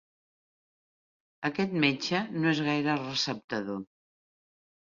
Aquest metge no és gaire receptador.